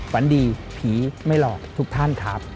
ฝันดีผีไม่หลอกทุกท่านครับ